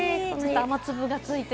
雨粒がついて。